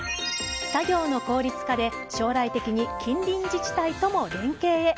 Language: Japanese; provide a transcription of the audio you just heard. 作業の効率化で将来的に近隣自治体とも連携へ。